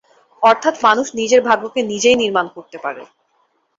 অর্থাৎ মানুষ নিজের ভাগ্যকে নিজেই নির্মাণ করতে পারে।